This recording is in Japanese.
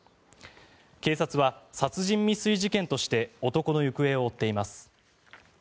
警察は、殺人未遂事件として男の行方を追っています。